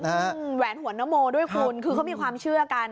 แหวนหัวนโมด้วยคุณคือเขามีความเชื่อกัน